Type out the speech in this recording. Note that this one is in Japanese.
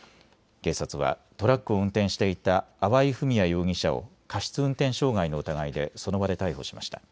警察はトラックを運転していた粟井文哉容疑者を過失運転傷害の疑いでその場で逮捕しました。